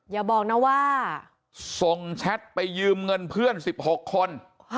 อย่าบอกนะว่าส่งแชทไปยืมเงินเพื่อน๑๖คน